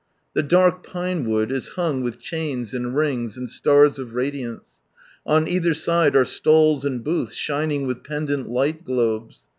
The dark pinewood is hvmg with chains and rings and stars of radiance. On either side are stalls and booths shining with pendent light globes.